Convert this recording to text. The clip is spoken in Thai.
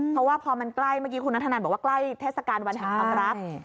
เพราะว่าพอมันใกล้เมื่อกี้คุณนัทธนันบอกว่าใกล้เทศกาลวันแห่งความรัก